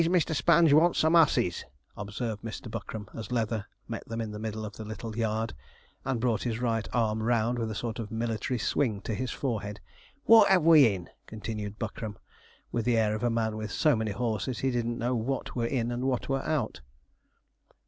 'Here's Mr. Sponge wants some osses,' observed Mr. Buckram, as Leather met them in the middle of the little yard, and brought his right arm round with a sort of military swing to his forehead; 'what 'ave we in?' continued Buckram, with the air of a man with so many horses that he didn't know what were in and what were out.